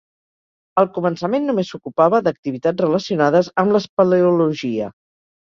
Al començament només s'ocupava d'activitats relacionades amb l'espeleologia.